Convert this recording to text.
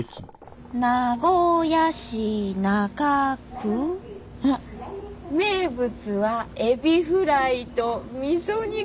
名古屋市中区あっ名物はエビフライとみそ煮込みうどん？